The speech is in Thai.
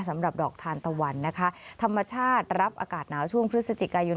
สำหรับดอกทานตะวันนะคะธรรมชาติรับอากาศหนาวช่วงพฤศจิกายน